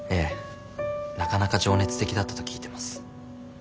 なかなか情熱的だったと聞いてます。